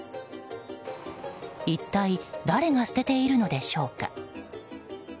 一体誰が捨てているのでしょうか。